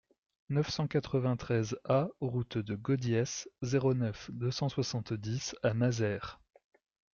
neuf cent quatre-vingt-treize A route de Gaudiès, zéro neuf, deux cent soixante-dix à Mazères